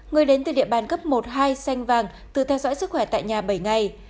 người đến từ địa bàn cấp một hai xanh vàng tự theo dõi sức khỏe tại nhà bảy ngày